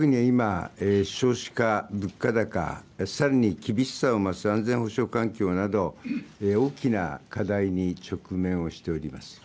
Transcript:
わが国は今、少子化、物価高、さらに厳しさを増す安全保障環境など、大きな課題に直面をしております。